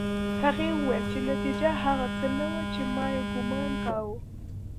هغې وویل چې نتيجه هغه څه نه وه چې ما ګومان کاوه